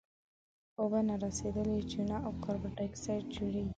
اوبه نارسیدلې چونه او کاربن ډای اکسایډ جوړیږي.